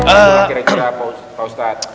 akhirnya kita pak ustad